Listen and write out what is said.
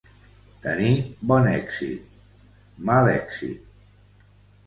Tenir bon èxit, mal èxit.